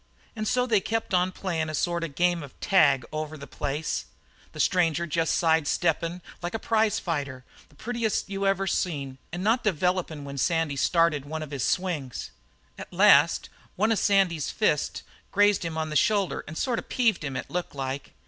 And so they kept on playin' a sort of a game of tag over the place, the stranger jest side steppin' like a prize fighter, the prettiest you ever seen, and not developin' when Sandy started on one of his swings. "At last one of Sandy's fists grazed him on the shoulder and sort of peeved him, it looked like.